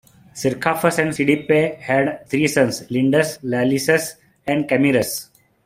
Cercaphus and Cydippe had three sons, Lindus, Ialysus and Camirus.